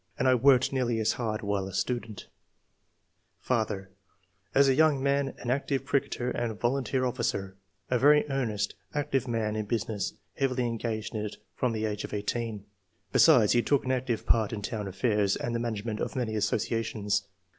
and I worked nearly as hard while a student. II.] QUALITIES. 83 " Father — As a young man, an active cricketer and volunteer officer. A very earnest, active man in business, heavily engaged in it from the age of eighteen. Besides, he took an active part in town affairs and the management of many asso ciations.